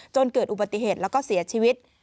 จนเกิดอุบัติเหตุแล้วก็เสียชีวิต